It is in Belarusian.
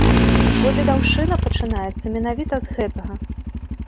Бо дзедаўшчына пачынаецца менавіта з гэтага.